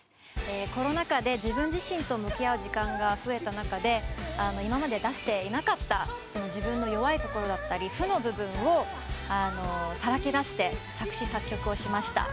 コロナ禍で自分自身と向き合う時間が増えた中で今まで出していなかった自分の弱いところだったり負の部分をさらけ出して作詞作曲をしました。